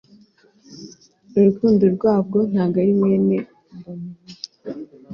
Urukundo ntabwo ari mwene Bohemia